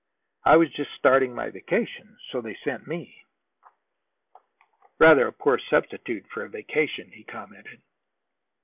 I was just starting for my vacation, so they sent me." "Rather a poor substitute for a vacation," he commented.